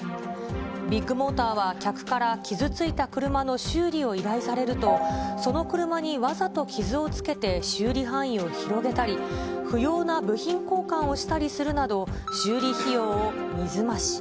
ビッグモーターは客から傷ついた車の修理を依頼されると、その車にわざと傷をつけて周囲範囲を広げたり、不要な部品交換をしたりするなど、修理費用を水増し。